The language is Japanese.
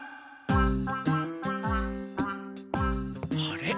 あれ？